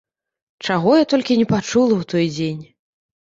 Чаго я толькі не пачула ў той дзень.